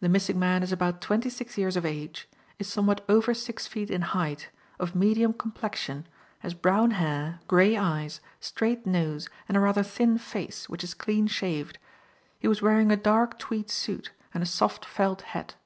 The missing man is about twenty six years of age; is somewhat over six feet in height; of medium complexion; has brown hair, grey eyes, straight nose and a rather thin face, which is clean shaved. He was wearing a dark tweed suit, and soft felt hat.